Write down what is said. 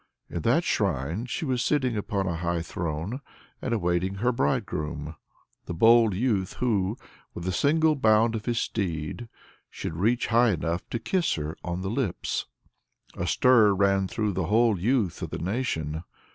In that shrine she was sitting upon a high throne, and awaiting her bridegroom, the bold youth who, with a single bound of his swift steed, should reach high enough to kiss her on the lips. A stir ran through the whole youth of the nation.